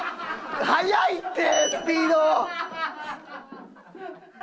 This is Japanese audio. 速いってスピード！